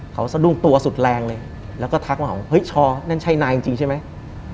เขาสะดุ้งตัวสุดแรงเลยแล้วก็ทักมาว่าเฮ้ยชอนั่นใช่นายจริงใช่ไหม